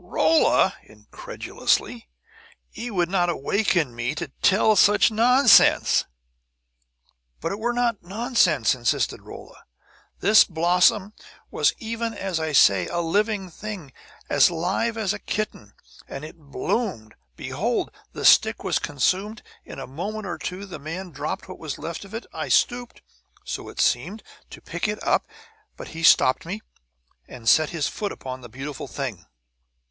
"Rolla!" incredulously. "Ye would not awaken me to tell such nonsense!" "But it were not nonsense!" insisted Rolla. "This blossom was even as I say: a living thing, as live as a kitten! And as it bloomed, behold, the stick was consumed! In a moment or two the man dropped what was left of it; I stooped so it seemed to pick it up; but he stopped me, and set his foot upon the beautiful thing!"